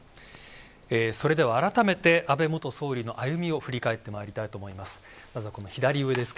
それでは、改めて安倍元総理の歩みを振り返って参ります。